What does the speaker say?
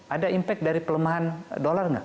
ada impact dari pelemahan dolar nggak